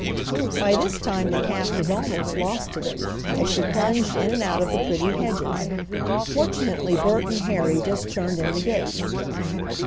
By this time the calf was almost lost to them, as she plunged in and out of the pretty hedges. Fortunately Bert and Harry just turned in the gate.